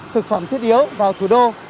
thực phẩm thiết yếu vào thủ đô